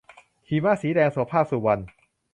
หิมะสีแดง - โสภาค สุวรรณ